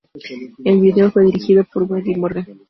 El video fue dirigido por Wendy Morgan.